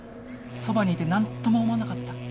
そばにいて何とも思わなかった？